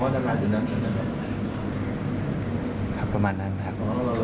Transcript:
ใช่ประมาณนั้นครับ